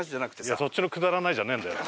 いやそっちの「くだらない」じゃねえんだよ！